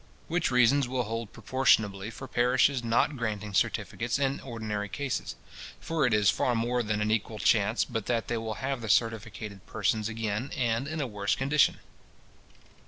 Which reasons will hold proportionably for parishes not granting certificates in ordinary cases; for it is far more than an equal chance, but that they will have the certificated persons again, and in a worse condition."